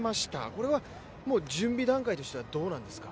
これはもう準備段階としてはどうなんですか？